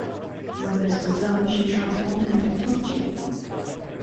When this was done she transformed into Toci.